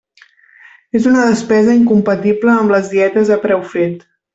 És una despesa incompatible amb les dietes a preu fet.